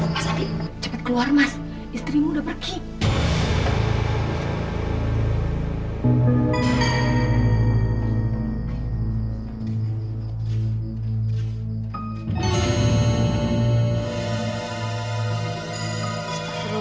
mas adi cepet keluar mas istrimu udah pergi